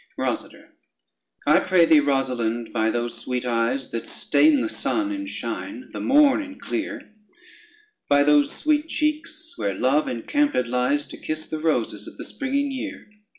ROSADER I pray thee, Rosalynde, by those sweet eyes That stain the sun in shine, the morn in clear, By those sweet cheeks where Love encampèd lies To kiss the roses of the springing year.